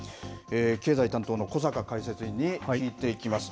経済担当の小坂解説委員に聞いていきます。